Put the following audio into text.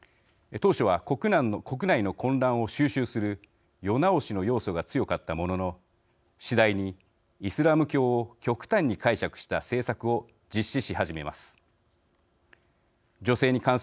当初は、国内の混乱を収拾する世直しの要素が強かったものの次第にイスラム教を極端に解釈した政策を実施し始めます。